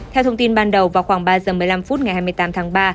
theo thông tin ban đầu vào khoảng ba giờ một mươi năm phút ngày hai mươi tám tháng ba